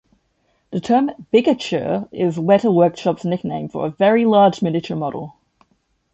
The term "Bigature" is Weta Workshop's nickname for a very large miniature model.